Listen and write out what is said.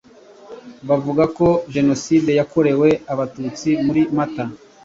Bavuga ko Jenoside Yakorewe Abatutsi muri Mata